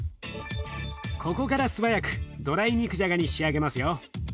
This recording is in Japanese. ここから素早くドライ肉じゃがに仕上げますよ。